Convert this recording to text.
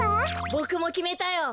ボクもきめたよ。